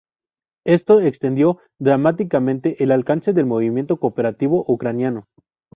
Esto extendió dramáticamente el alcance del movimiento cooperativo ucraniano.